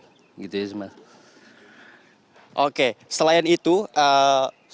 oke selain itu sebelumnya sudah pernah ke daerah bula kamsiri belum untuk nyecemen gultik